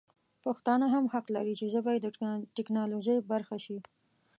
پښتانه هم حق لري چې ژبه یې د ټکنالوژي برخه شي.